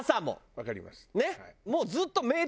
わかります。